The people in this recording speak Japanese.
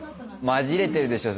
まじれてるでしょ